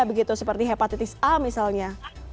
begitu seperti hepatitis a misalnya